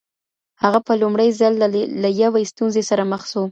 هغه په لومړي ځل له یوې ستونزې سره مخ سو.